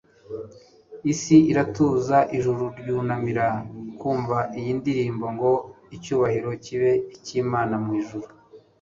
Isi iratuza, ijuru ryunamira kumva iyi ndirimbo ngo: «Icyubahiro kibe icy'Imana mu ijuru,